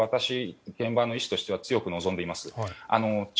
現場の医師としては強く望んでいます。